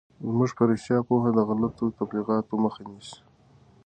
زموږ په رشتیا پوهه د غلطو تبلیغاتو مخه نیسي.